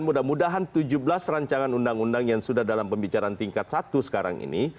mudah mudahan tujuh belas rancangan undang undang yang sudah dalam pembicaraan tingkat satu sekarang ini